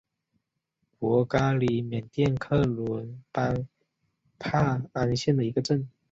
博嘎里缅甸克伦邦帕安县的一个镇。